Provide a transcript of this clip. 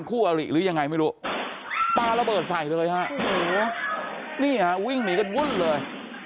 คู่อริหรือยังไงไม่รู้ปลาระเบิดใส่เลยฮะนี่ฮะวิ่งหนีกันวุ่นเลย